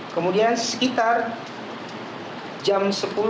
kemudian sekitar jam sepuluh tiga puluh